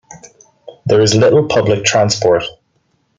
There is little public transport.